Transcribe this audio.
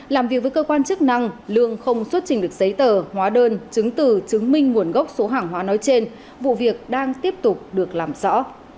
làm việc với cơ quan chức năng lương không xuất trình được giấy tờ hóa đơn chứng từ chứng minh nguồn gốc số hàng hóa nói trên vụ việc đang tiếp tục được làm rõ